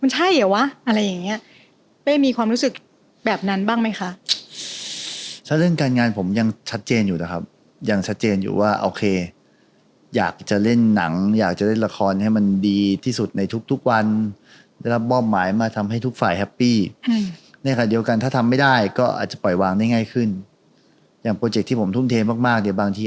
เหมือนเขาหยุดเวลาไว้ที่เพลงมาเลครับหรือไม่ก็เพลงไก่